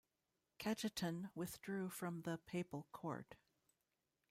Cajetan withdrew from the papal court.